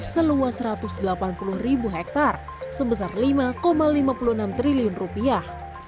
seluas satu ratus delapan puluh ribu hektare sebesar lima lima puluh enam triliun rupiah